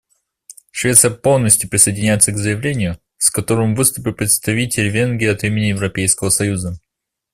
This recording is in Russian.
Швеция полностью присоединяется к заявлению, с которым выступил представитель Венгрии от имени Европейского союза.